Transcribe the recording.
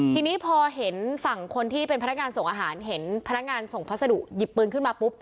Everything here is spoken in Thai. ทีนี้พอเห็นฝั่งคนที่เป็นพนักงานส่งอาหารเห็นพนักงานส่งพัสดุหยิบปืนขึ้นมาปุ๊บ